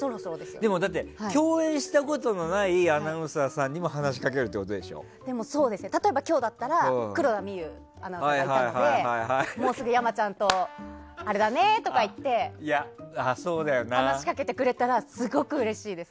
でも、だって共演したことないアナウンサーさんにも例えば今日だったら黒田みゆアナウンサーがいたのでもうすぐ山ちゃんとあれだねとか言って話しかけてくれたらすごくうれしいです。